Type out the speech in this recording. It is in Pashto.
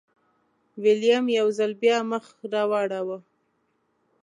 ویلیم یو ځل بیا مخ راواړوه.